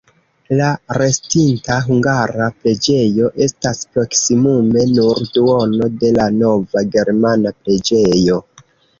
La restinta hungara preĝejo estas proksimume nur duono de la nova germana preĝejo.